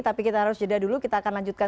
tapi kita harus jeda dulu kita akan lanjutkan